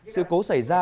sự cố xảy ra